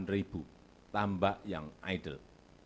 tujuh puluh delapan ribu tambak yang idle